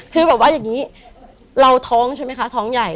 คือแบบว่าอย่างนี้เราท้องใช่ไหมคะท้องใหญ่